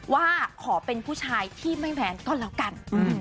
ว่าขอเป็นผู้ชายที่ไม่แว้นก็แล้วกัน